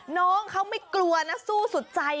น้องเขาไม่กลัวนะสู้สุดใจ